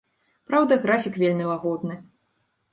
Праўда, графік вельмі лагодны.